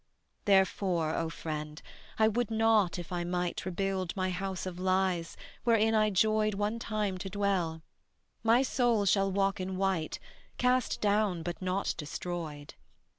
Therefore, O friend, I would not if I might Rebuild my house of lies, wherein I joyed One time to dwell: my soul shall walk in white, Cast down but not destroyed.